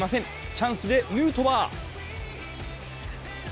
チャンスでヌートバー。